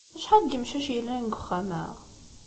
Acḥal n yimcac yellan deg uxxam-a?